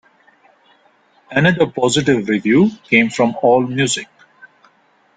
Another positive review came from Allmusic.